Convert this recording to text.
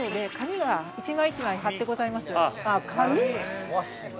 はい。